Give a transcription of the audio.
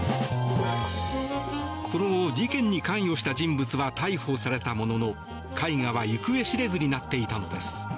その後、事件に関与した人物は逮捕されたものの絵画は行方知れずになっていたのです。